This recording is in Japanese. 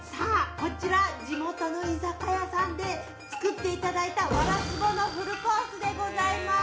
こちら地元の居酒屋さんで作っていただいたワラスボのフルコースでございます。